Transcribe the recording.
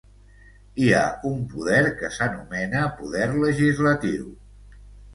I hi ha un poder que s’anomena poder legislatiu.